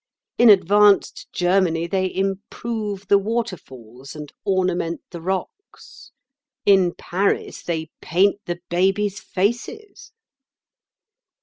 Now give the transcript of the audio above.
In advanced Germany they improve the waterfalls and ornament the rocks. In Paris they paint the babies' faces."